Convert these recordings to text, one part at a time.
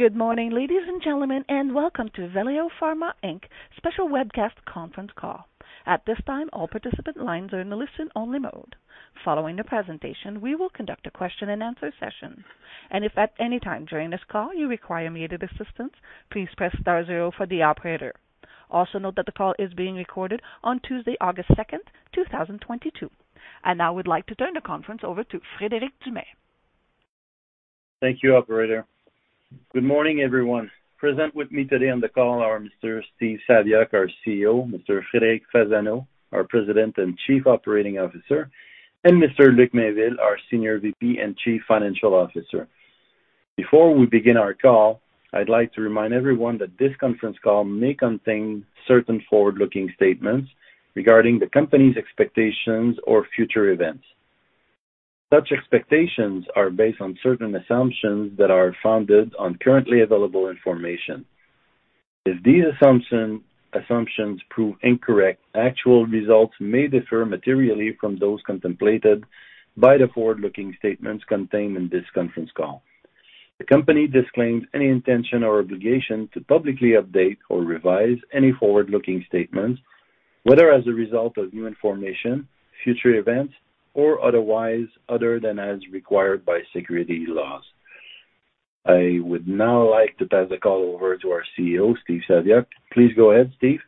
Good morning, ladies and gentlemen, and welcome to Valeo Pharma Inc.'s special webcast conference call. At this time, all participant lines are in listen-only mode. Following the presentation, we will conduct a question and answer session. If at any time during this call you require immediate assistance, please press star zero for the operator. Also note that the call is being recorded on Tuesday, August 2nd, 2022. I now would like to turn the conference over to Frederic Dumais. Thank you, operator. Good morning, everyone. Present with me today on the call are Mr. Steve Saviuk, our Chief Executive Officer, Mr. Frederic Fasano, our President and Chief Operating Officer, and Mr. Luc Mainville, our Senior Vice President and Chief Financial Officer. Before we begin our call, I'd like to remind everyone that this conference call may contain certain forward-looking statements regarding the company's expectations or future events. Such expectations are based on certain assumptions that are founded on currently available information. If these assumptions prove incorrect, actual results may differ materially from those contemplated by the forward-looking statements contained in this conference call. The company disclaims any intention or obligation to publicly update or revise any forward-looking statements, whether as a result of new information, future events, or otherwise, other than as required by security laws. I would now like to pass the call over to our Chief Executive Officer, Steve Saviuk. Please go ahead, Steve.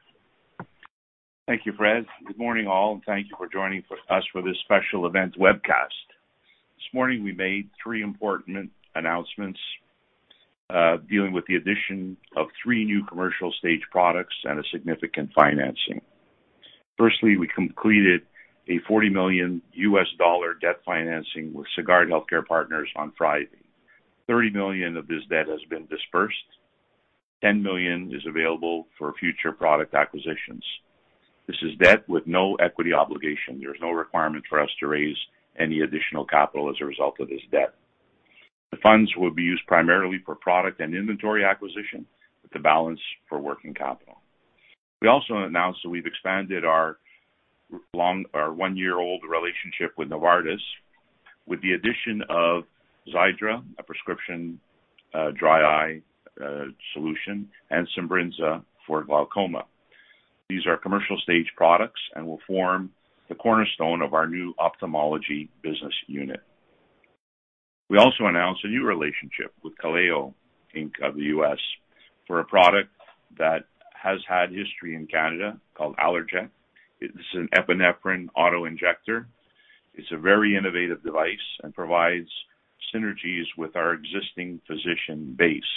Thank you, Fred. Good morning, all, and thank you for joining us for this special event webcast. This morning we made three important announcements dealing with the addition of three new commercial stage products and a significant financing. Firstly, we completed a $40 million US dollar debt financing with Sagard Healthcare Partners on Friday. $30 million of this debt has been dispersed. $10 million is available for future product acquisitions. This is debt with no equity obligation. There's no requirement for us to raise any additional capital as a result of this debt. The funds will be used primarily for product and inventory acquisition, with the balance for working capital. We also announced that we've expanded our one-year-old relationship with Novartis with the addition of XIIDRA, a prescription dry eye solution, and SIMBRINZA for glaucoma. These are commercial stage products and will form the cornerstone of our new ophthalmology business unit. We also announced a new relationship with Kaleo, Inc. of the U.S. for a product that has had history in Canada called ALLERJECT. It is an epinephrine auto-injector. It's a very innovative device and provides synergies with our existing physician base.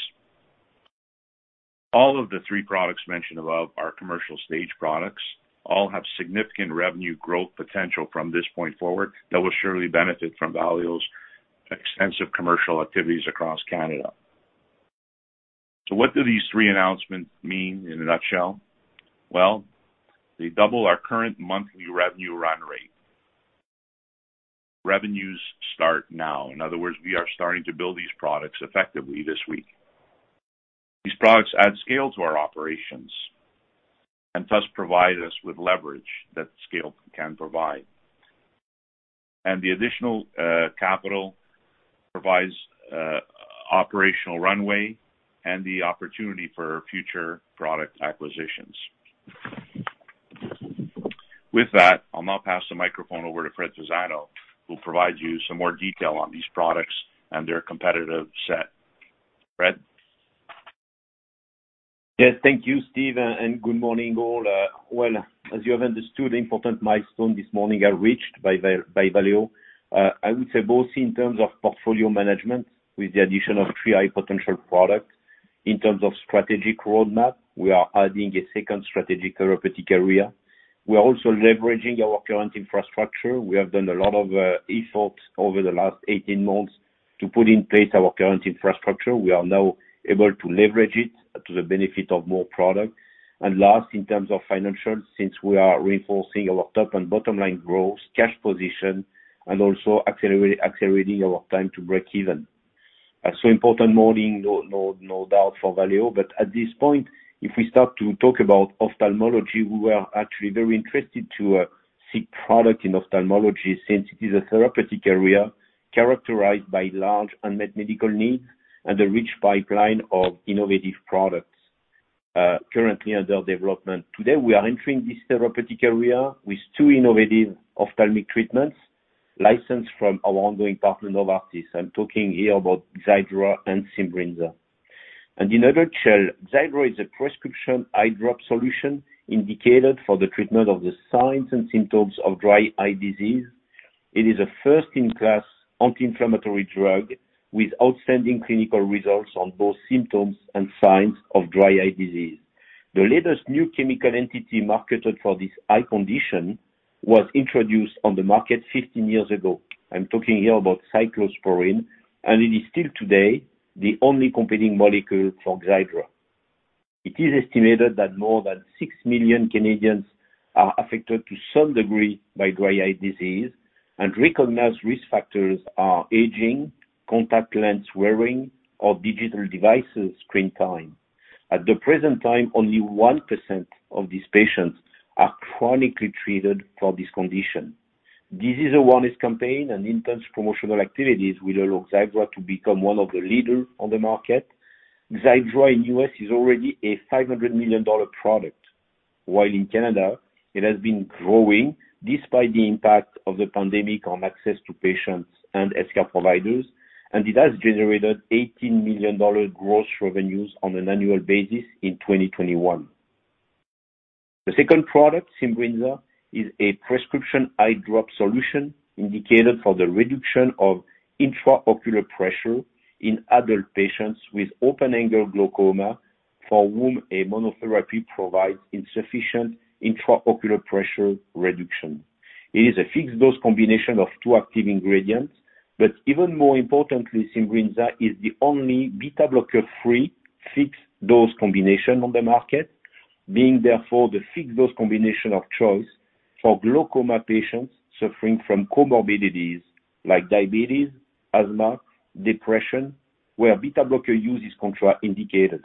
All of the three products mentioned above are commercial stage products, all have significant revenue growth potential from this point forward that will surely benefit from Valeo's extensive commercial activities across Canada. What do these three announcements mean in a nutshell? Well, they double our current monthly revenue run rate. Revenues start now. In other words, we are starting to build these products effectively this week. These products add scale to our operations and thus provide us with leverage that scale can provide. The additional capital provides operational runway and the opportunity for future product acquisitions. With that, I'll now pass the microphone over to Frederic Fasano, who will provide you some more detail on these products and their competitive set. Frederic? Yes. Thank you, Steve, and good morning, all. Well, as you have understood, important milestones this morning are reached by Valeo. I would say both in terms of portfolio management with the addition of three high potential products. In terms of strategic roadmap, we are adding a second strategic therapeutic area. We are also leveraging our current infrastructure. We have done a lot of efforts over the last 18 months to put in place our current infrastructure. We are now able to leverage it to the benefit of more product. Last, in terms of financials, since we are reinforcing our top and bottom line growth, cash position, and also accelerating our time to break even. An important morning, no doubt, for Valeo. At this point, if we start to talk about ophthalmology, we were actually very interested to seek product in ophthalmology since it is a therapeutic area characterized by large unmet medical needs and a rich pipeline of innovative products currently under development. Today, we are entering this therapeutic area with two innovative ophthalmic treatments licensed from our ongoing partner, Novartis. I'm talking here about XIIDRA and SIMBRINZA. In a nutshell, XIIDRA is a prescription eye drop solution indicated for the treatment of the signs and symptoms of dry eye disease. It is a first-in-class anti-inflammatory drug with outstanding clinical results on both symptoms and signs of dry eye disease. The latest new chemical entity marketed for this eye condition was introduced on the market 15 years ago. I'm talking here about cyclosporine, and it is still today the only competing molecule for XIIDRA. It is estimated that more than six million Canadians are affected to some degree by dry eye disease, and recognized risk factors are aging, contact lens wearing, or digital devices screen time. At the present time, only 1% of these patients are chronically treated for this condition. Disease awareness campaign and intense promotional activities will allow XIIDRA to become one of the leaders on the market. XIIDRA in the U.S. is already a $500 million product, while in Canada, it has been growing despite the impact of the pandemic on access to patients and healthcare providers, and it has generated 18 million dollar gross revenues on an annual basis in 2021. The second product, SIMBRINZA, is a prescription eye drop solution indicated for the reduction of intraocular pressure in adult patients with open-angle glaucoma for whom a monotherapy provides insufficient intraocular pressure reduction. It is a fixed-dose combination of two active ingredients, but even more importantly, SIMBRINZA is the only beta blocker-free fixed-dose combination on the market, being therefore the fixed-dose combination of choice for glaucoma patients suffering from comorbidities like diabetes, asthma, depression, where beta blocker use is contraindicated.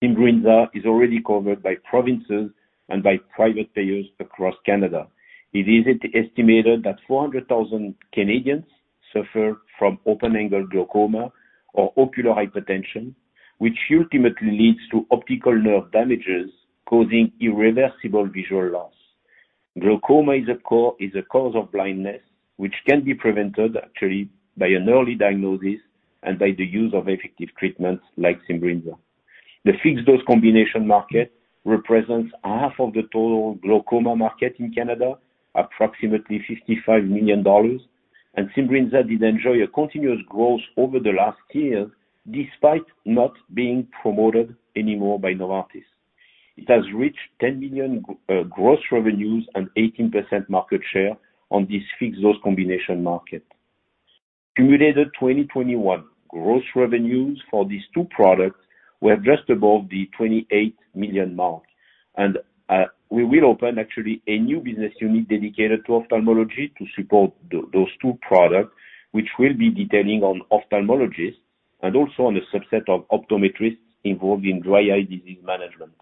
SIMBRINZA is already covered by provinces and by private payers across Canada. It is estimated that 400,000 Canadians suffer from open-angle glaucoma or ocular hypertension, which ultimately leads to optic nerve damages causing irreversible visual loss. Glaucoma is a cause of blindness, which can be prevented actually by an early diagnosis and by the use of effective treatments like SIMBRINZA. The fixed-dose combination market represents half of the total glaucoma market in Canada, approximately 55 million dollars. SIMBRINZA did enjoy a continuous growth over the last year, despite not being promoted anymore by Novartis. It has reached 10 million gross revenues and 18% market share on this fixed-dose combination market. Accumulated 2021 gross revenues for these two products were just above the 28 million mark. We will open actually a new business unit dedicated to ophthalmology to support those two products, which will be detailing on ophthalmologists and also on a subset of optometrists involved in dry eye disease management.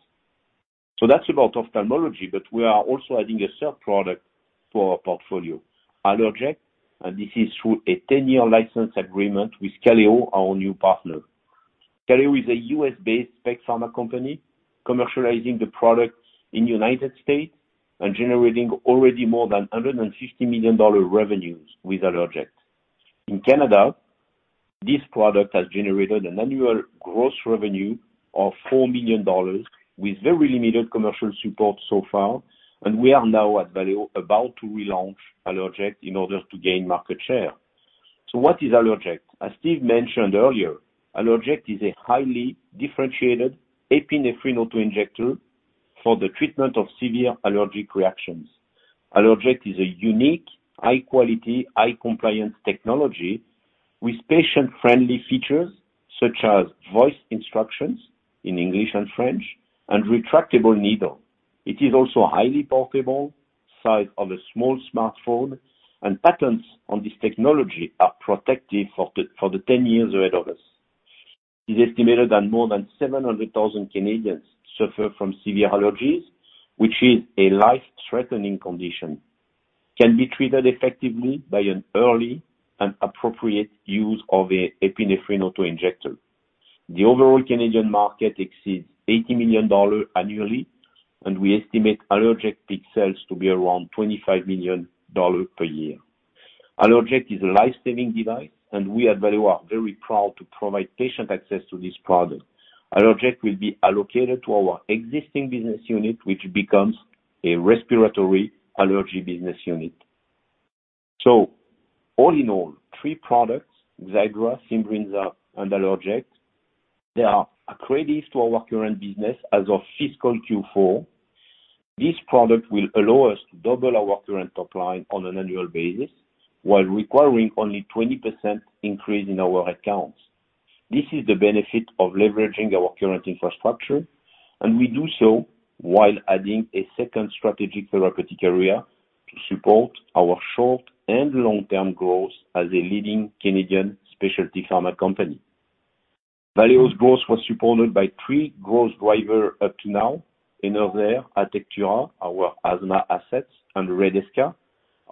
That's about ophthalmology, but we are also adding a third product to our portfolio, ALLERJECT, and this is through a 10-year license agreement with Kaleo, our new partner. Kaleo is a U.S.-based specialty pharma company commercializing the product in the United States and generating already more than $150 million revenues with ALLERJECT. In Canada, this product has generated an annual gross revenue of 4 million dollars with very limited commercial support so far. We are now at Valeo about to relaunch ALLERJECT in order to gain market share. What is ALLERJECT? As Steve mentioned earlier, ALLERJECT is a highly differentiated epinephrine auto-injector for the treatment of severe allergic reactions. ALLERJECT is a unique, high-quality, high-compliance technology with patient-friendly features such as voice instructions in English and French, and retractable needle. It is also highly portable, size of a small smartphone, and patents on this technology are protected for the 10 years ahead of us. It is estimated that more than 700,000 Canadians suffer from severe allergies, which is a life-threatening condition that can be treated effectively by an early and appropriate use of a epinephrine auto-injector. The overall Canadian market exceeds 80 million dollars annually, and we estimate ALLERJECT peak sales to be around 25 million dollars per year. ALLERJECT is a life-saving device, and we at Valeo are very proud to provide patient access to this product. ALLERJECT will be allocated to our existing business unit, which becomes a respiratory allergy business unit. All in all, three products, XIIDRA, SIMBRINZA, and ALLERJECT, they are accretive to our current business as of fiscal Q4. These products will allow us to double our current top line on an annual basis while requiring only 20% increase in our accounts. This is the benefit of leveraging our current infrastructure, and we do so while adding a second strategic therapeutic area to support our short and long-term growth as a leading Canadian specialty pharma company. Valeo's growth was supported by three growth drivers up to now. Enerzair, Atectura, our asthma assets, and Redesca,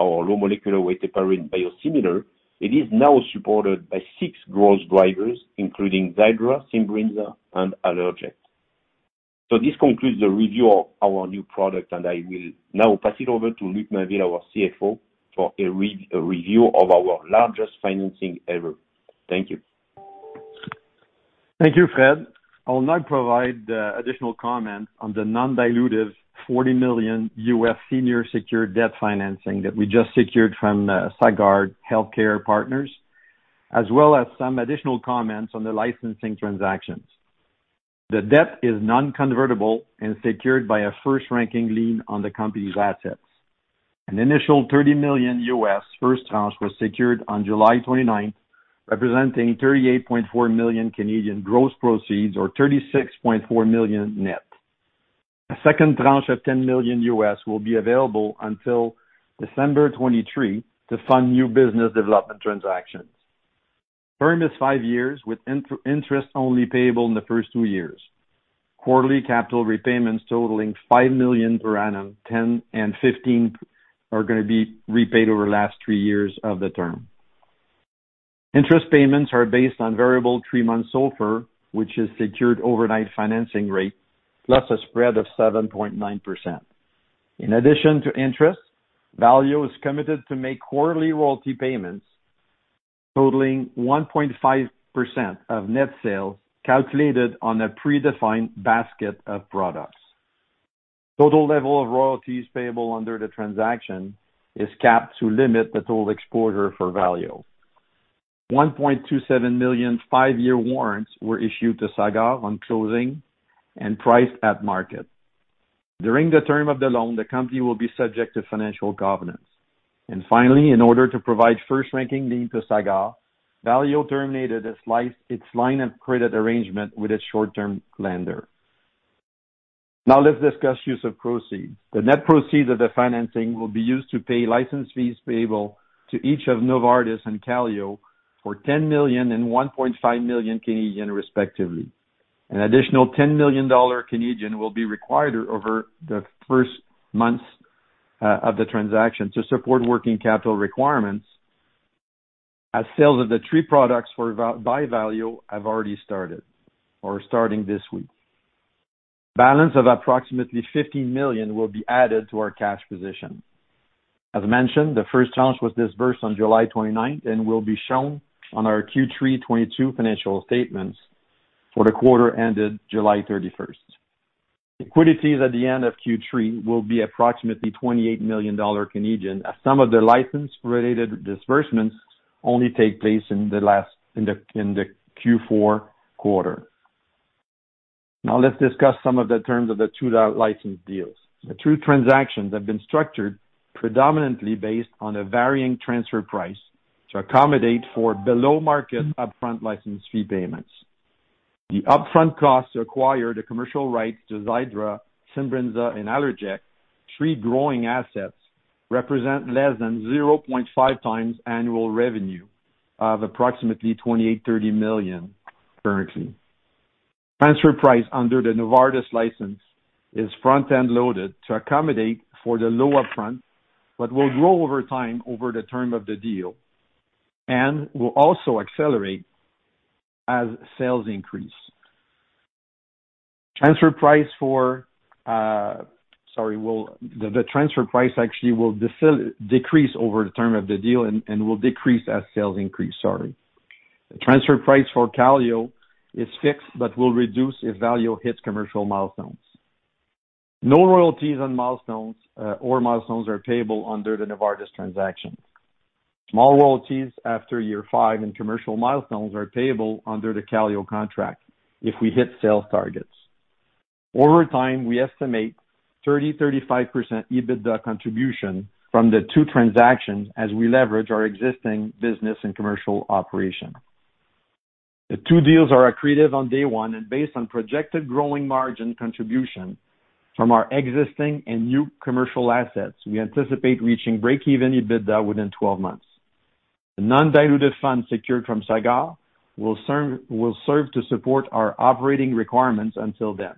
our low molecular weight heparin biosimilar. It is now supported by six growth drivers, including XIIDRA, SIMBRINZA, and ALLERJECT. This concludes the review of our new product, and I will now pass it over to Luc Mainville, our Chief Financial Officer, for a review of our largest financing ever. Thank you. Thank you, Fred. I will now provide additional comment on the non-dilutive $40 million U.S. senior secured debt financing that we just secured from Sagard Healthcare Partners, as well as some additional comments on the licensing transactions. The debt is non-convertible and secured by a first-ranking lien on the company's assets. An initial $30 million U.S. first tranche was secured on July 29th, representing 38.4 million Canadian gross proceeds or 36.4 million net. A second tranche of $10 million will be available until December 23rd to fund new business development transactions. Term is five years with interest only payable in the first two years. Quarterly capital repayments totaling $5 million per annum, $10 million and $15 million are going to be repaid over the last three years of the term. Interest payments are based on variable three-month SOFR, which is Secured Overnight Financing Rate, plus a spread of 7.9%. In addition to interest, Valeo is committed to make quarterly royalty payments totaling 1.5% of net sales, calculated on a predefined basket of products. Total level of royalties payable under the transaction is capped to limit the total exposure for Valeo. 1.27 million five-year warrants were issued to Sagard on closing and priced at market. During the term of the loan, the company will be subject to financial governance. Finally, in order to provide first-ranking lien to Sagard, Valeo terminated its line of credit arrangement with its short-term lender. Now let's discuss use of proceeds. The net proceeds of the financing will be used to pay license fees payable to each of Novartis and Kaleo for $10 million and 1.5 million, respectively. An additional 10 million Canadian dollars will be required over the first months of the transaction to support working capital requirements as sales of the three products by Valeo have already started or are starting this week. Balance of approximately 15 million will be added to our cash position. As mentioned, the first tranche was disbursed on July 29th and will be shown on our Q3 2022 financial statements for the quarter ended July 31st. Liquidity at the end of Q3 will be approximately 28 million Canadian dollars as some of the license-related disbursements only take place in the Q4 quarter. Now let's discuss some of the terms of the two license deals. The two transactions have been structured predominantly based on a varying transfer price to accommodate for below-market upfront license fee payments. The upfront cost to acquire the commercial rights to XIIDRA, SIMBRINZA, and ALLERJECT, three growing assets, represents less than 0.5x annual revenue of approximately $28.3 million currently. Transfer price under the Novartis license is front-end loaded to accommodate for the low upfront, but will grow over time over the term of the deal and will also accelerate as sales increase. The transfer price actually will decrease over the term of the deal and will decrease as sales increase, sorry. The transfer price for Kaleo is fixed but will reduce if Valeo hits commercial milestones. No royalties or milestones are payable under the Novartis transaction. Small royalties after year five and commercial milestones are payable under the Kaleo contract if we hit sales targets. Over time, we estimate 30%-35% EBITDA contribution from the two transactions as we leverage our existing business and commercial operations. The two deals are accretive on day one and based on projected growing margin contribution from our existing and new commercial assets. We anticipate reaching break-even EBITDA within 12 months. The non-dilutive funds secured from Sagard will serve to support our operating requirements until then.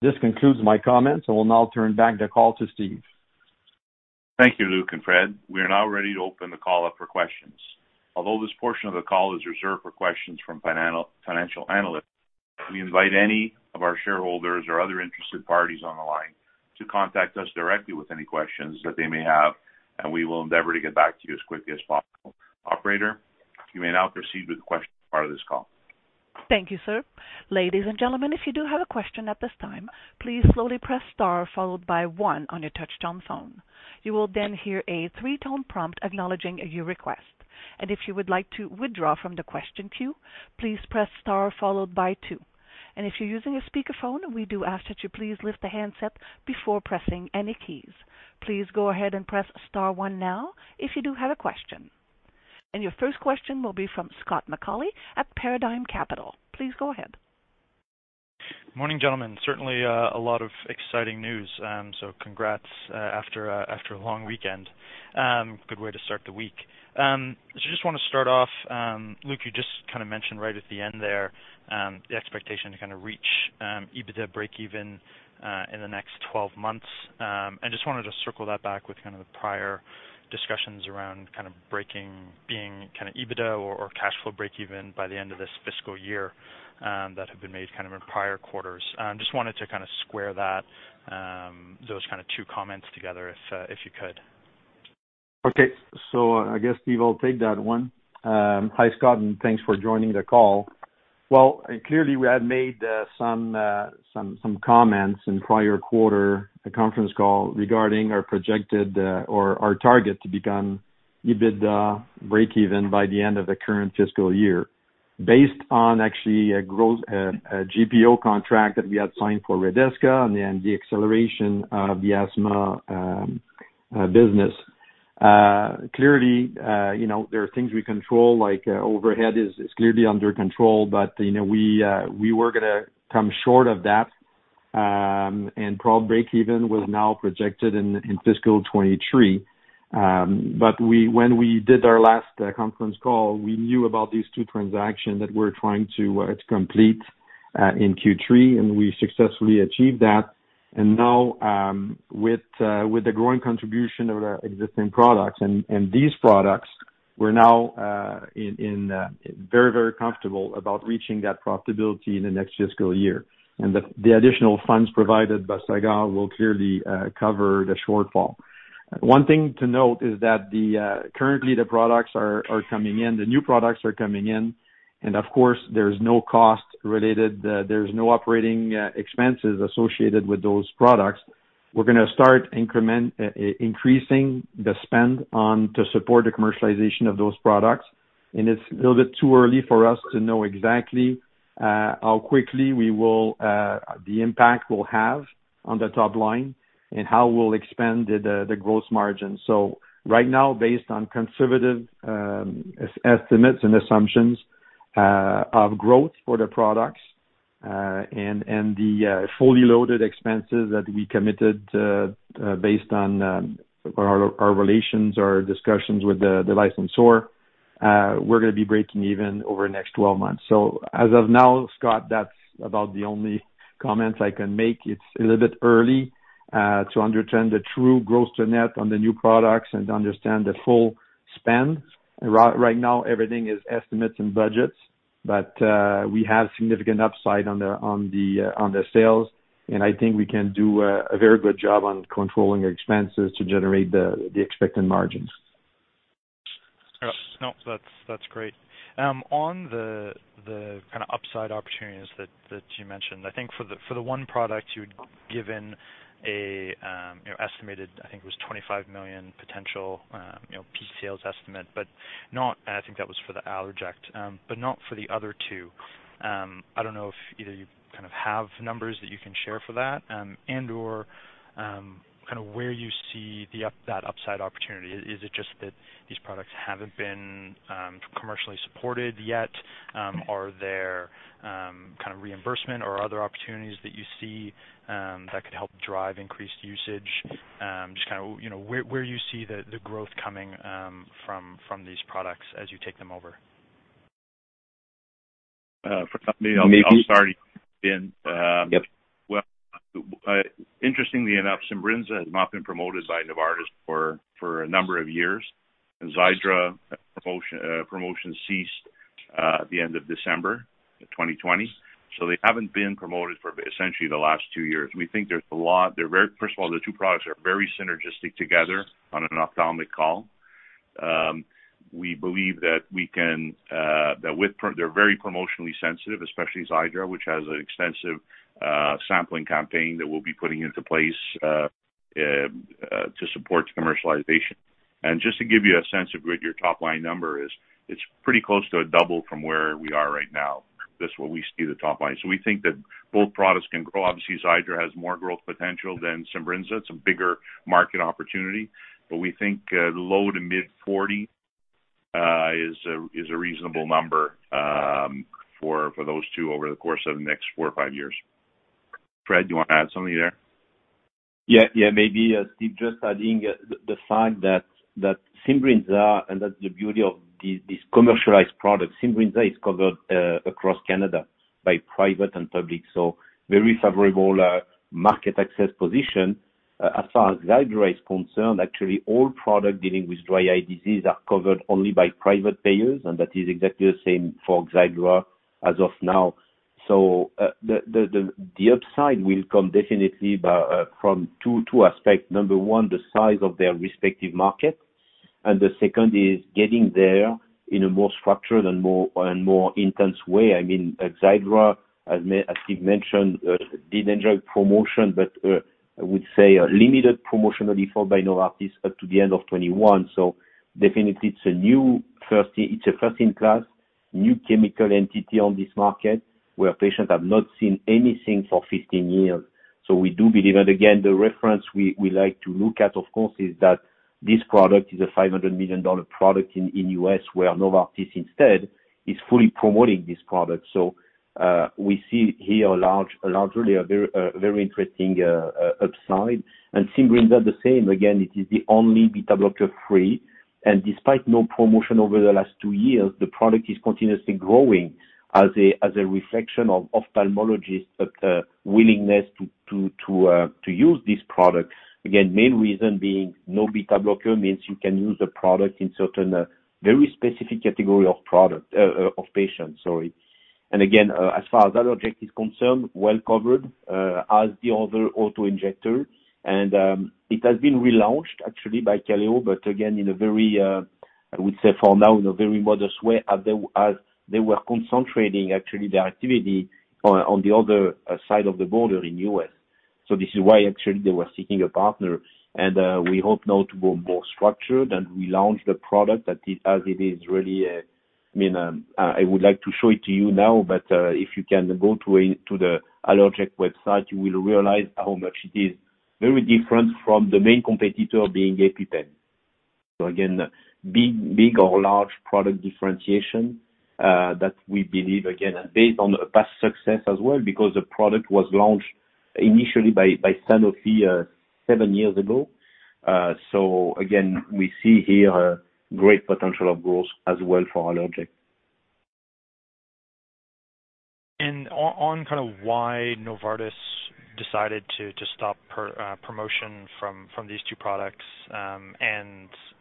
This concludes my comments. I will now turn back the call to Steve. Thank you, Luc and Fred. We are now ready to open the call up for questions. Although this portion of the call is reserved for questions from financial analysts, we invite any of our shareholders or other interested parties on the line to contact us directly with any questions that they may have, and we will endeavor to get back to you as quickly as possible. Operator, you may now proceed with the question part of this call. Thank you, sir. Ladies and gentlemen, if you do have a question at this time, please slowly press star followed by one on your touchtone phone. You will then hear a three-tone prompt acknowledging your request. If you would like to withdraw from the question queue, please press star followed by two. If you're using a speakerphone, we do ask that you please lift the handset before pressing any keys. Please go ahead and press star one now if you do have a question. Your first question will be from Scott McAuley at Paradigm Capital. Please go ahead. Morning, gentlemen. Certainly, a lot of exciting news. Congrats, after a long weekend. Good way to start the week. Just want to start off, Luc, you just kind of mentioned right at the end there, the expectation to kind of reach EBITDA breakeven in the next 12 months. Just wanted to circle that back with kind of the prior discussions around kind of breaking even being kind of EBITDA or cash flow breakeven by the end of this fiscal year that have been made kind of in prior quarters. Just wanted to kind of square those two comments together, if you could. Okay. I guess, Steve, I'll take that one. Hi, Scott, and thanks for joining the call. Well, clearly we had made some comments in prior quarter, the conference call regarding our projected or our target to become EBITDA breakeven by the end of the current fiscal year. Based on actually a GPO contract that we had signed for Redesca and the acceleration of the asthma business. Clearly, there are things we control like overhead is clearly under control, but we were going to come short of that. Probably break-even was now projected in fiscal 2023. When we did our last conference call, we knew about these two transactions that we're trying to complete in Q3, and we successfully achieved that. Now, with the growing contribution of our existing products and these products, we're now very, very comfortable about reaching that profitability in the next fiscal year. The additional funds provided by Sagard will clearly cover the shortfall. One thing to note is that currently the products are coming in, the new products are coming in, and of course, there's no cost related, there's no operating expenses associated with those products. We're going to start increasing the spend to support the commercialization of those products. It's a little bit too early for us to know exactly how quickly the impact will have on the top line and how we'll expand the gross margin. Right now, based on conservative estimates and assumptions of growth for the products, and the fully loaded expenses that we committed based on our relations or discussions with the licensor, we're going to be breaking even over the next 12 months. As of now, Scott, that's about the only comment I can make. It's a little bit early to understand the true gross to net on the new products and to understand the full spend. Right now, everything is estimates and budgets, but we have significant upside on the sales, and I think we can do a very good job on controlling expenses to generate the expected margins. No, that's great. On the kind of upside opportunities that you mentioned, I think for the one product you'd given an estimated, I think it was 25 million potential peak sales estimate, I think that was for the ALLERJECT, but not for the other two. I don't know if either you have numbers that you can share for that and/or where you see that upside opportunity. Is it just that these products haven't been commercially supported yet? Are there reimbursement or other opportunities that you see that could help drive increased usage? Just where you see the growth coming from these products as you take them over. For the company, I'll start in. Yep. Well, interestingly enough, SIMBRINZA has not been promoted by Novartis for a number of years. Xiidra promotion ceased at the end of December of 2020. They haven't been promoted for essentially the last two years. First of all, the two products are very synergistic together on an ophthalmic call. We believe that they're very promotionally sensitive, especially XIIDRA, which has an extensive sampling campaign that we'll be putting into place to support commercialization. Just to give you a sense of where your top-line number is, it's pretty close to a double from where we are right now. That's where we see the top line. We think that both products can grow. Obviously, XIIDRA has more growth potential than SIMBRINZA. It's a bigger market opportunity, but we think low to mid 40 is a reasonable number for those two over the course of the next four years or five years. Fred, do you want to add something there? Yeah. Maybe, Steve, just adding the fact that SIMBRINZA and that the beauty of these commercialized products, SIMBRINZA is covered across Canada by private and public, so very favorable market access position. As far as XIIDRA is concerned, actually, all products dealing with dry eye disease are covered only by private payers, and that is exactly the same for XIIDRA as of now. The upside will come definitely from two aspects. Number one, the size of their respective market, and the second is getting there in a more structured and more intense way. XIIDRA, as Steve mentioned, did enjoy promotion, but I would say a limited promotion only from Novartis up to the end of 2021. Definitely it's a first-in-class new chemical entity on this market where patients have not seen anything for 15 years. We do believe, and again, the reference we like to look at, of course, is that this product is a $500 million product in U.S. where Novartis instead is fully promoting this product. We see here a largely, a very interesting upside. SIMBRINZA the same. Again, it is the only beta blocker free, and despite no promotion over the last two years, the product is continuously growing as a reflection of ophthalmologists' willingness to use this product. Again, main reason being no beta blocker means you can use the product in certain very specific category of patients. Sorry. Again, as far as ALLERJECT is concerned, well covered, as the other auto-injector, and it has been relaunched actually by Kaléo, but again in a very, I would say for now, in a very modest way, as they were concentrating actually their activity on the other side of the border in U.S. This is why actually they were seeking a partner. We hope now to go more structured and relaunch the product as it is really a. I would like to show it to you now, but if you can go to the allerject website, you will realize how much it is very different from the main competitor, being EpiPen. Again, big or large product differentiation that we believe, again, and based on past success as well, because the product was launched initially by Sanofi seven years ago. Again, we see here great potential of growth as well for ALLERJECT. On kind of why Novartis decided to stop promotion from these two products.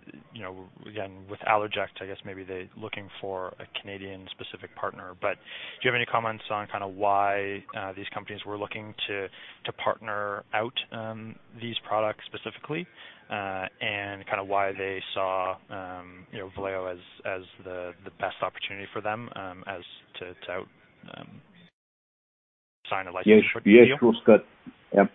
Again, with ALLERJECT, I guess maybe they're looking for a Canadian specific partner. Do you have any comments on why these companies were looking to partner out these products specifically? Why they saw Valeo as the best opportunity for them to out-license a license with you? Yes, sure, Scott. Yep.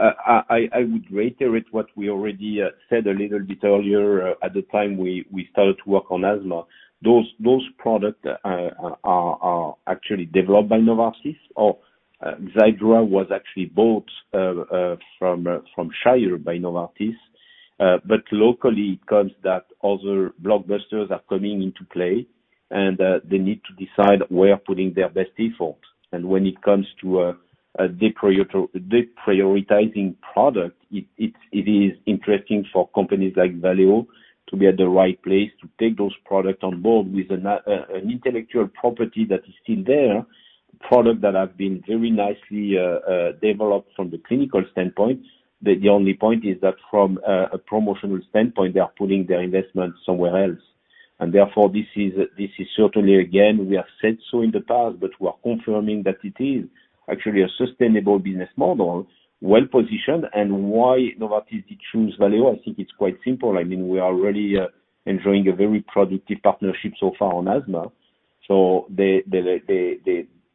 I would reiterate what we already said a little bit earlier at the time we started to work on asthma. Those products are actually developed by Novartis, or XIIDRA was actually bought from Shire by Novartis. Locally, it comes that other blockbusters are coming into play and they need to decide where putting their best effort. When it comes to deprioritizing product, it is interesting for companies like Valeo to be at the right place to take those products on board with an intellectual property that is still there, product that have been very nicely developed from the clinical standpoint. The only point is that from a promotional standpoint, they are putting their investment somewhere else. Therefore, this is certainly, again, we have said so in the past, but we are confirming that it is actually a sustainable business model, well-positioned, and why Novartis did choose Valeo, I think it's quite simple. We are already enjoying a very productive partnership so far on asthma.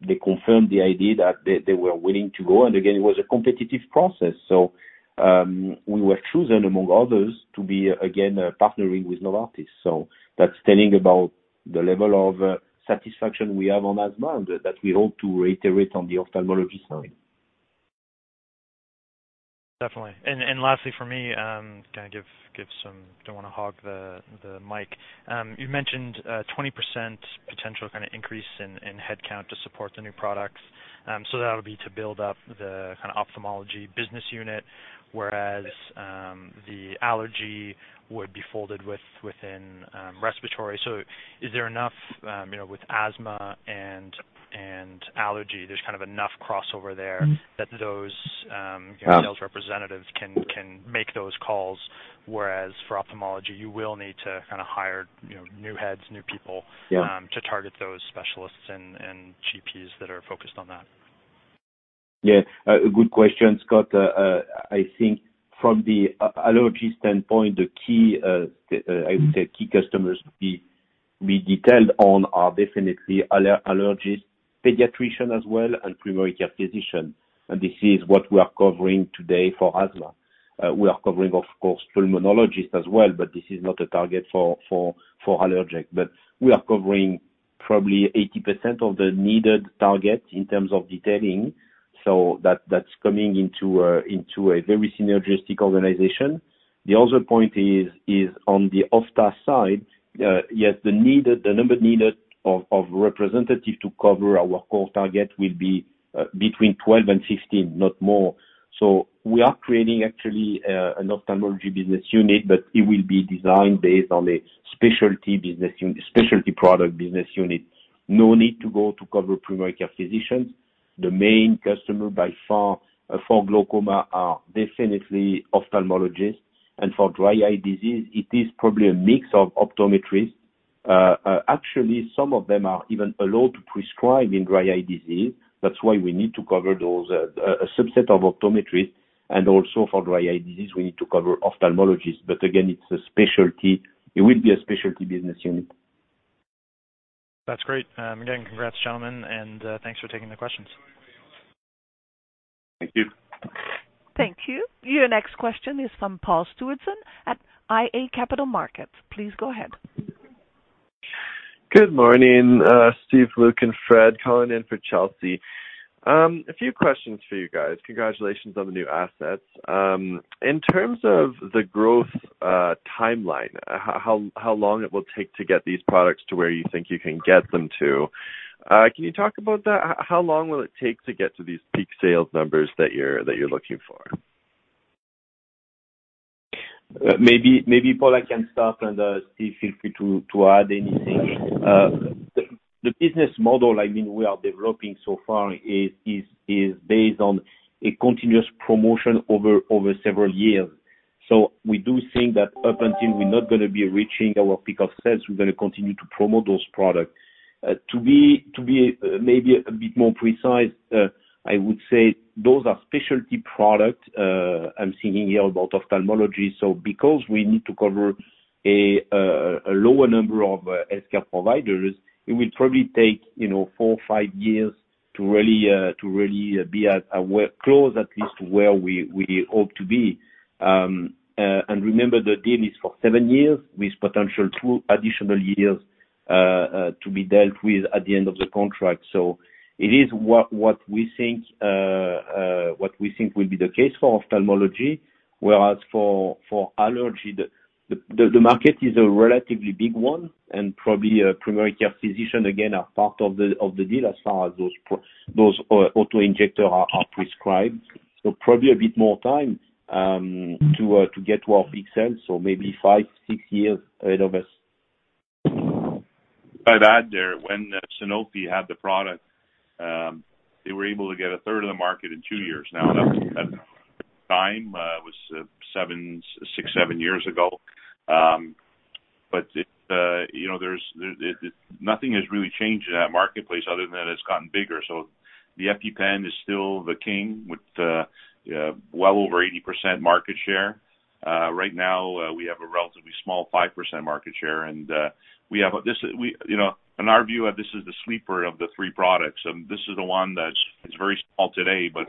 They confirmed the idea that they were willing to go. Again, it was a competitive process. We were chosen among others to be again partnering with Novartis. That's telling about the level of satisfaction we have on asthma that we hope to reiterate on the ophthalmology side. Definitely. Lastly for me, don't want to hog the mic. You mentioned 20% potential increase in headcount to support the new products. That'll be to build up the ophthalmology business unit, whereas the allergy would be folded within respiratory. Is there enough with asthma and allergy, there's kind of enough crossover there that those sales representatives can make those calls, whereas for ophthalmology, you will need to hire new heads, new people. Yeah To target those specialists and GPs that are focused on that? Yeah. A good question, Scott. I think from the allergy standpoint, the key customers we detailed on are definitely allergist, pediatrician as well, and primary care physician. This is what we are covering today for asthma. We are covering, of course, pulmonologist as well, but this is not a target for ALLERJECT. We are covering probably 80% of the needed target in terms of detailing. That's coming into a very synergistic organization. The other point is on the ophtha side, yes, the number needed of representative to cover our core target will be between 12% and 16%, not more. We are creating actually an ophthalmology business unit, but it will be designed based on a specialty product business unit. No need to go to cover primary care physicians. The main customer by far for glaucoma are definitely ophthalmologists. For dry eye disease, it is probably a mix of optometry. Actually, some of them are even allowed to prescribe in dry eye disease. That's why we need to cover those, a subset of optometry. Also for dry eye disease, we need to cover ophthalmologists. Again, it will be a specialty business unit. That's great. Again, congrats, gentlemen, and thanks for taking the questions. Thank you. Thank you. Your next question is from Paul Stewardson at iA Capital Markets. Please go ahead. Good morning, Steve, Luc, and Frederic. Calling in for Chelsea. A few questions for you guys. Congratulations on the new assets. In terms of the growth timeline, how long it will take to get these products to where you think you can get them to, can you talk about that? How long will it take to get to these peak sales numbers that you're looking for? Maybe Paul, I can start, and Steve, feel free to add anything. The business model we are developing so far is based on a continuous promotion over several years. We do think that up until we're not going to be reaching our peak of sales, we're going to continue to promote those products. To be maybe a bit more precise, I would say those are specialty products. I'm thinking here about ophthalmology. Because we need to cover a lower number of health care providers, it will probably take four, five years to really be close at least to where we hope to be. Remember, the deal is for seven years with potential two additional years to be dealt with at the end of the contract. It is what we think will be the case for ophthalmology, whereas for allergy, the market is a relatively big one, and probably a primary care physician, again, are part of the deal as far as those auto-injectors are prescribed. Probably a bit more time to get to our peak sales, so maybe five years, six years ahead of us. If I'd add there, when Sanofi had the product, they were able to get a third of the market in two years. Now, that was at the time, it was six, seven years ago. Nothing has really changed in that marketplace other than it's gotten bigger. The EpiPen is still the king with well over 80% market share. Right now, we have a relatively small 5% market share. In our view, this is the sleeper of the three products. This is the one that is very small today, but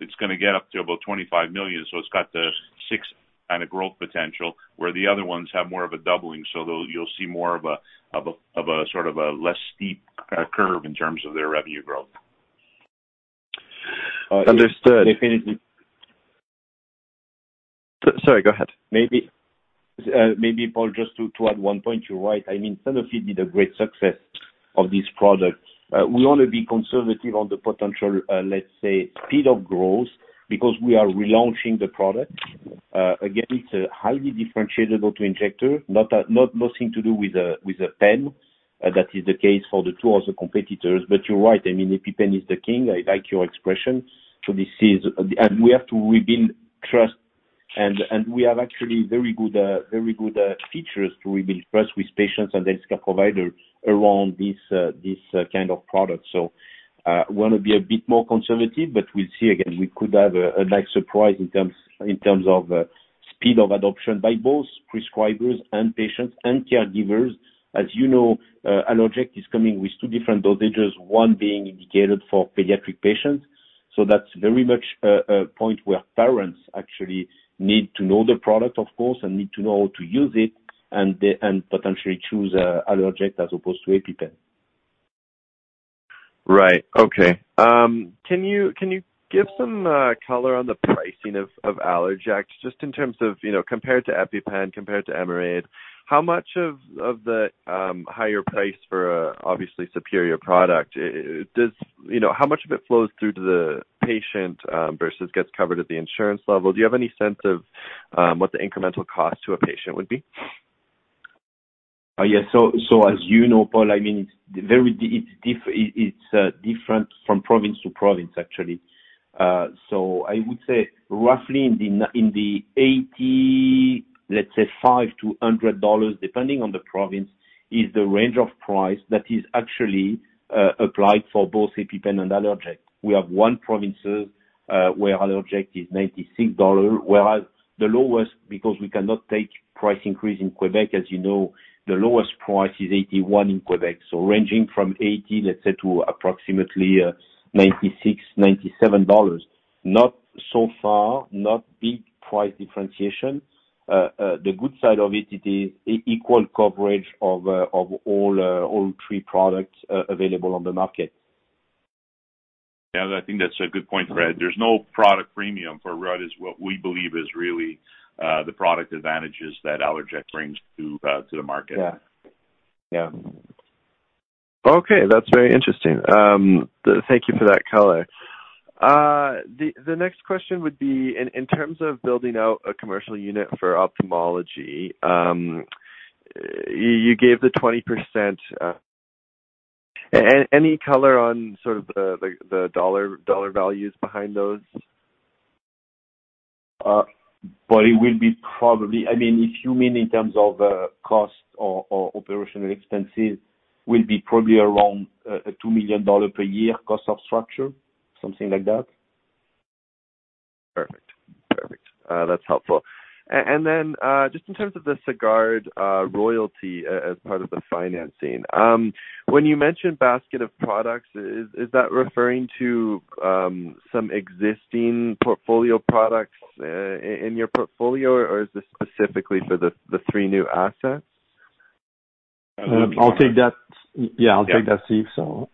it's going to get up to about 25 million, so it's got the sixth annual growth potential, where the other ones have more of a doubling. You'll see more of a sort of a less steep curve in terms of their revenue growth. Understood. Definitely. Sorry, go ahead. Maybe, Paul, just to add one point. You're right. Sanofi had great success of this product. We want to be conservative on the potential, let's say, speed of growth because we are relaunching the product. Again, it's a highly differentiated auto-injector, nothing to do with a pen. That is the case for the two other competitors. You're right. EpiPen is the king. I like your expression. We have to rebuild trust, and we have actually very good features to rebuild trust with patients and healthcare providers around this kind of product. We want to be a bit more conservative, but we'll see. Again, we could have a nice surprise in terms of speed of adoption by both prescribers and patients and caregivers. As you know, ALLERJECT is coming with two different dosages, one being indicated for pediatric patients. That's very much a point where parents actually need to know the product, of course, and need to know how to use it and potentially choose ALLERJECT as opposed to EpiPen. Right. Okay. Can you give some color on the pricing of ALLERJECT, just in terms of compared to EpiPen, compared to Emerade. How much of the higher price for a obviously superior product, how much of it flows through to the patient versus gets covered at the insurance level? Do you have any sense of what the incremental cost to a patient would be? Yes. As you know, Paul, it's different from province to province, actually. I would say roughly in the 80, let's say, 85-100 dollars, depending on the province, is the range of price that is actually applied for both EpiPen and ALLERJECT. We have one province where ALLERJECT is 96 dollars, whereas the lowest, because we cannot take price increase in Quebec, as you know, the lowest price is 81 in Quebec. Ranging from 80, let's say, to approximately 96-97 dollars. So far, not big price differentiation. The good side of it is equal coverage of all three products available on the market. Yeah. I think that's a good point, Fred. There's no product premium for what we believe is really the product advantages that ALLERJECT brings to the market. Yeah. Okay. That's very interesting. Thank you for that color. The next question would be in terms of building out a commercial unit for ophthalmology. You gave the 20%. Any color on sort of the dollar values behind those? Paul, it will be probably, if you mean in terms of cost or operational expenses, around 2 million dollar per year cost of structure, something like that. Perfect. That's helpful. Just in terms of the Sagard royalty as part of the financing. When you mention basket of products, is that referring to some existing portfolio products in your portfolio, or is this specifically for the three new assets? I'll take that. Yeah. I'll take that, Steve.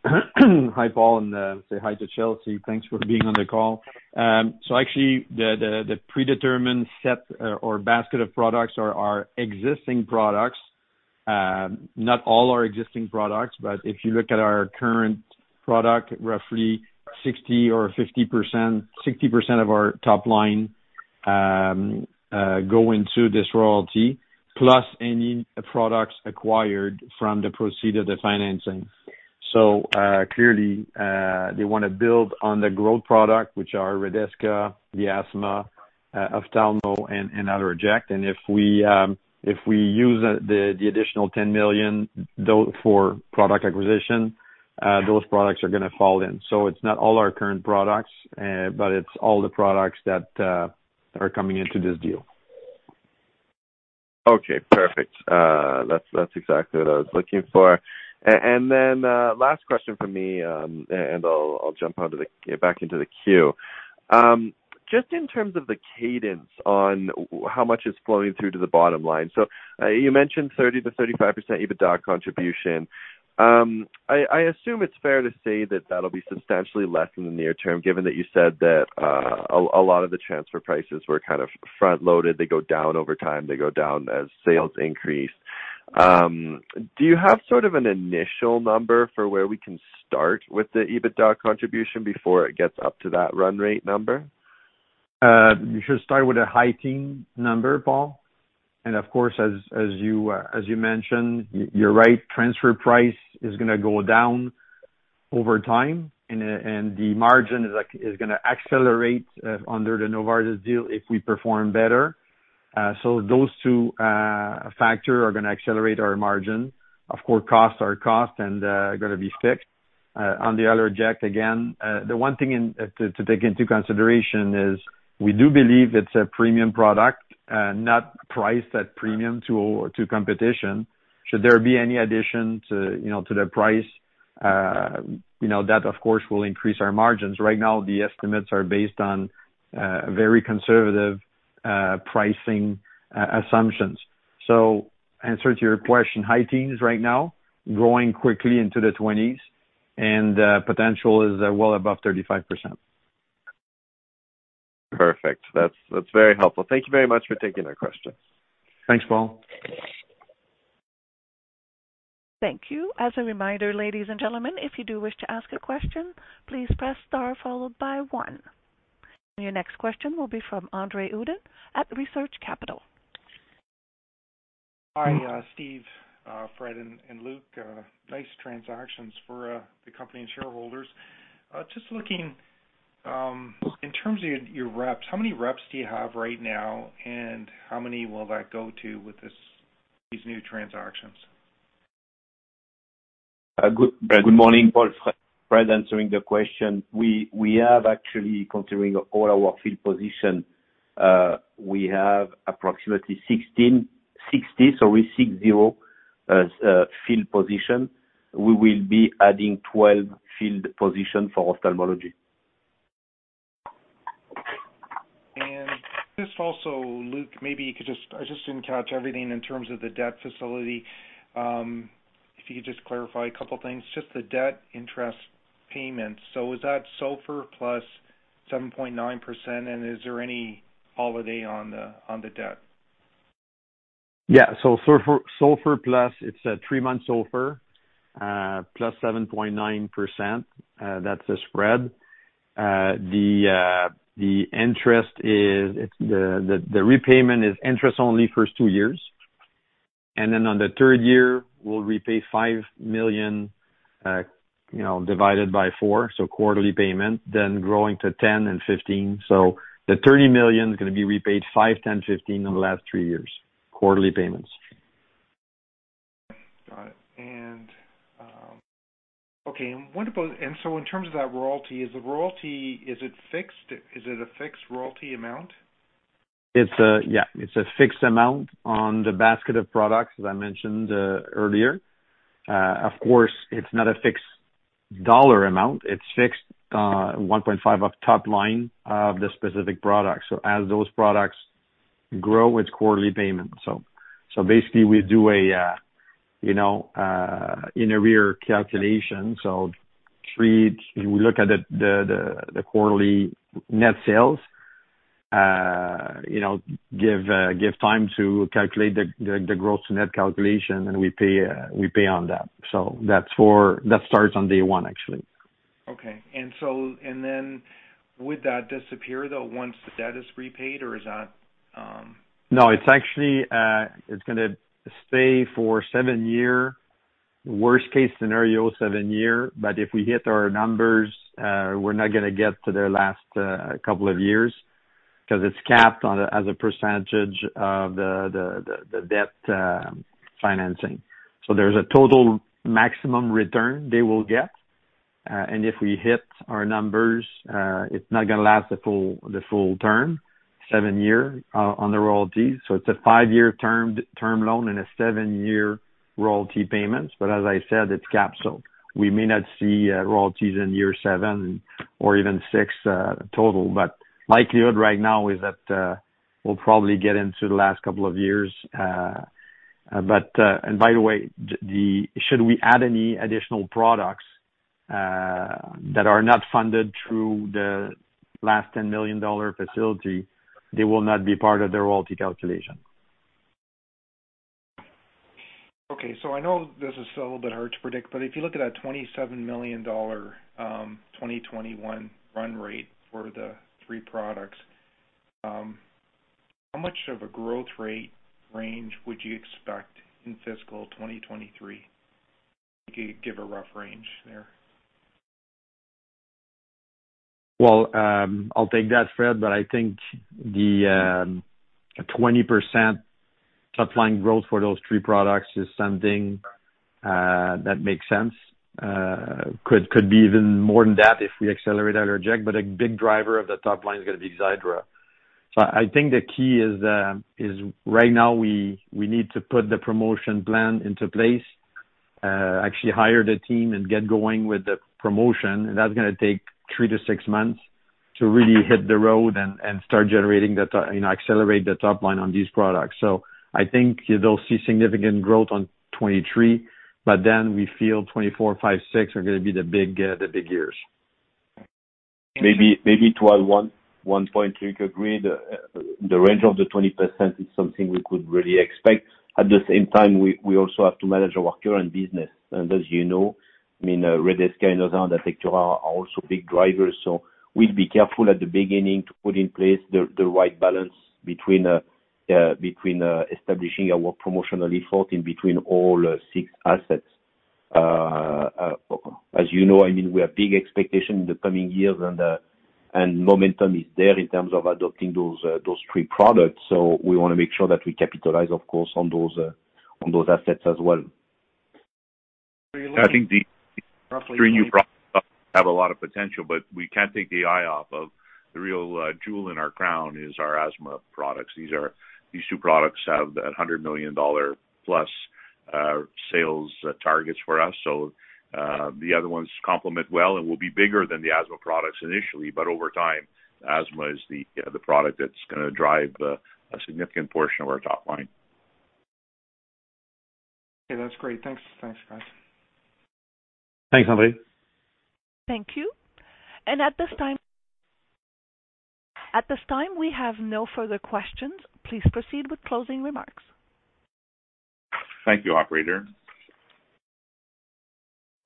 Hi, Paul, and say hi to Chelsea. Thanks for being on the call. Actually, the predetermined set or basket of products are our existing products. Not all our existing products, but if you look at our current product, roughly 60% or 50%, 60% of our top line go into this royalty, plus any products acquired from the proceeds of the financing. Clearly, they want to build on the growth product, which are Redesca, the asthma, ophthalmo, and ALLERJECT. If we use the additional 10 million for product acquisition, those products are going to fall in. It's not all our current products, but it's all the products that are coming into this deal. Okay, perfect. That's exactly what I was looking for. Last question from me, and I'll jump back into the queue. Just in terms of the cadence on how much is flowing through to the bottom line. You mentioned 30%-35% EBITDA contribution. I assume it's fair to say that that'll be substantially less in the near term, given that you said that a lot of the transfer prices were kind of front-loaded. They go down over time, they go down as sales increase. Do you have sort of an initial number for where we can start with the EBITDA contribution before it gets up to that run rate number? You should start with a high teen number, Paul. Of course, as you mentioned, you're right, transfer price is going to go down over time, and the margin is going to accelerate under the Novartis deal if we perform better. Those two factors are going to accelerate our margin. Of course, costs are costs and are going to be fixed. On the ALLERJECT again, the one thing to take into consideration is we do believe it's a premium product, not priced at premium to competition. Should there be any addition to the price, that of course, will increase our margins. Right now, the estimates are based on very conservative pricing assumptions. Answer to your question, high teens right now, growing quickly into the twenties and potential is well above 35%. Perfect. That's very helpful. Thank you very much for taking that question. Thanks, Paul. Thank you. As a reminder, ladies and gentlemen, if you do wish to ask a question, please press star followed by one. Your next question will be from Andre Uddin at Research Capital. Hi, Steve, Fred, and Luc. Nice transactions for the company and shareholders. Just looking in terms of your reps, how many reps do you have right now, and how many will that go to with these new transactions? Good morning, Paul. Frederic answering the question. We actually have, considering all our field positions, approximately 60 field positions. We will be adding 12 field positions for ophthalmology. Okay. Just also Luc, I just didn't catch everything in terms of the debt facility. If you could just clarify a couple of things, just the debt interest payments. Is that SOFR +7.9% and is there any holiday on the debt? SOFR plus, it's a three-month SOFR, +7.9%. That's the spread. The repayment is interest only first two years. On the third year, we'll repay $5 million divided by four, so quarterly payment, then growing to $10 million and $15 million. The $30 million is going to be repaid $5 million, $10 million, $15 million in the last three years. Quarterly payments. Got it. In terms of that royalty, is the royalty, is it a fixed royalty amount? Yeah, it's a fixed amount on the basket of products, as I mentioned earlier. Of course, it's not a fixed dollar amount. It's fixed 1.5%f of top line of the specific product. As those products grow, it's quarterly payment. Basically, we do an in arrears calculation. We look at the quarterly net sales, given time to calculate the gross to net calculation, and we pay on that. That starts on day one, actually. Okay. Would that disappear, though, once the debt is repaid? Or is that- No, it's going to stay for seven years, worst case scenario, seven years. If we hit our numbers, we're not going to get to the last couple of years because it's capped as a percentage of the debt financing. There's a total maximum return they will get, and if we hit our numbers, it's not going to last the full term, seven years on the royalties. It's a five-year term loan and a seven-year royalty payments. As I said, it's capped. We may not see royalties in year seven or even six total, but likelihood right now is that we'll probably get into the last couple of years. By the way, should we add any additional products that are not funded through the last 10 million dollar facility, they will not be part of the royalty calculation. I know this is a little bit hard to predict, but if you look at that 27 million dollar 2021 run rate for the three products, how much of a growth rate range would you expect in fiscal 2023? If you could give a rough range there. Well, I'll take that, Fred, but I think the 20% top line growth for those three products is something that makes sense. Could be even more than that if we accelerate ALLERJECT, but a big driver of the top line is going to be XIIDRA. I think the key is right now we need to put the promotion plan into place. Actually hire the team and get going with the promotion. That's going to take three months-six months to really hit the road and start accelerating the top line on these products. I think you'll see significant growth on 2023, but then we feel 2024, 2025, 2026 are going to be the big years. Maybe to add one point, you could read the range of the 20% is something we could really expect. At the same time, we also have to manage our current business. As you know, Redesca and Onstryv, Atectura are also big drivers, so we'll be careful at the beginning to put in place the right balance between establishing our promotional effort in between all six assets. As you know, we have big expectations in the coming years, and momentum is there in terms of adopting those three products. We want to make sure that we capitalize, of course, on those assets as well. I think the three new products have a lot of potential, but we can't take the eye off of the real jewel in our crown, is our asthma products. These two products have 100+ million dollar sales targets for us. The other ones complement well and will be bigger than the asthma products initially. Over time, asthma is the product that's going to drive a significant portion of our top line. Okay. That's great. Thanks, guys. Thanks, Andre. Thank you. At this time we have no further questions. Please proceed with closing remarks. Thank you, operator.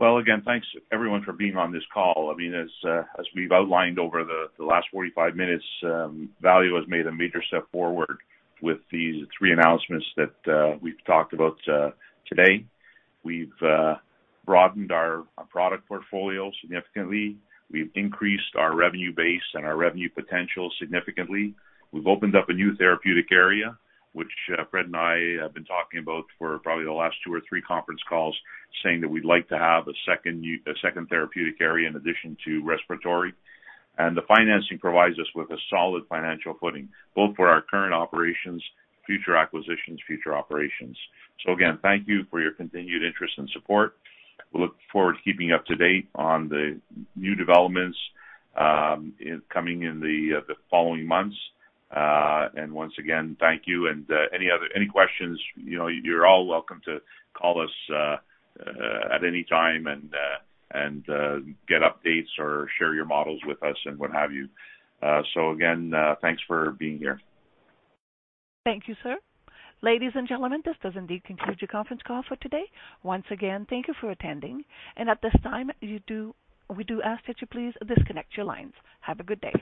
Well, again, thanks everyone for being on this call. As we've outlined over the last 45 minutes, Valeo has made a major step forward with these three announcements that we've talked about today. We've broadened our product portfolio significantly. We've increased our revenue base and our revenue potential significantly. We've opened up a new therapeutic area, which Fred and I have been talking about for probably the last two or three conference calls, saying that we'd like to have a second therapeutic area in addition to respiratory. The financing provides us with a solid financial footing, both for our current operations, future acquisitions, future operations. Again, thank you for your continued interest and support. We look forward to keeping you up to date on the new developments coming in the following months. Once again, thank you. Any questions, you're all welcome to call us at any time and get updates or share your models with us and what have you. Again, thanks for being here. Thank you, sir. Ladies and gentlemen, this does indeed conclude your conference call for today. Once again, thank you for attending, and at this time, we do ask that you please disconnect your lines. Have a good day.